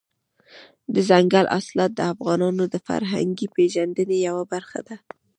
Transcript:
دځنګل حاصلات د افغانانو د فرهنګي پیژندنې یوه برخه ده.